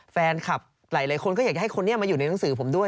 แฟนคลับหลายคนก็อยากให้คนนี้มาอยู่ในหนังสือผมด้วย